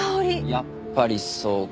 やっぱりそうか。